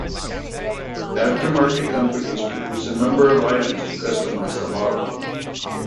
Aftermarket companies produce a number of items to customize the model.